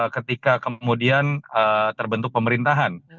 ketika kemudian terbentuk pemerintahan